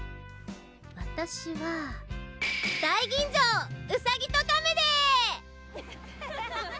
私は大吟醸「うさぎとかめ」で！